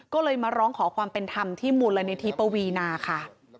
ก็เลยมาร้องขอความเป็นธรรมที่มูลนิธิปวีนาค่ะ